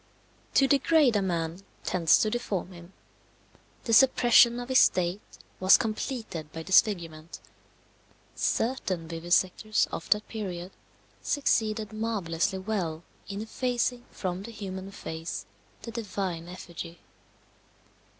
To degrade man tends to deform him. The suppression of his state was completed by disfigurement. Certain vivisectors of that period succeeded marvellously well in effacing from the human face the divine effigy.